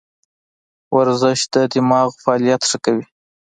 ورزش د دماغو فعالیت ښه کوي.